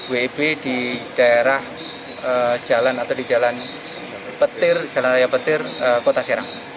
wib di daerah jalan atau di jalan petir jalan raya petir kota serang